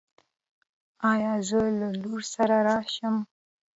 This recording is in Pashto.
ایا زه له لور سره راشم؟